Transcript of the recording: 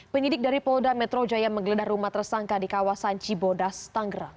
penyidik dari polda metro jaya menggeledah rumah tersangka di kawasan cibodas tanggerang